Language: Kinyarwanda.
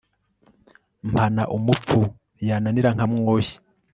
mpana umupfu yananira nkamwoshya